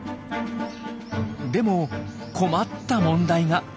でも困った問題が。